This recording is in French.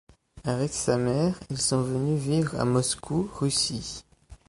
Avec sa mère, ils sont venus vivre à Moscou, Russie.